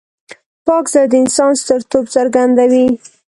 پاک زړه د انسان سترتوب څرګندوي.